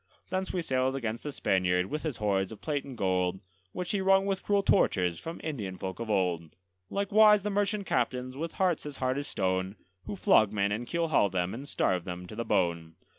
Thence we sailed against the Spaniard with his hoards of plate and gold, Which he wrung with cruel tortures from Indian folk of old; Likewise the merchant captains, with hearts as hard as stone, Who flog men and keelhaul them, and starve them to the bone.